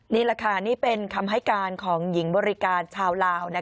นี่แหละค่ะนี่เป็นคำให้การของหญิงบริการชาวลาว